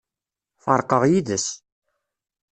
Ferqeɣ yid-s.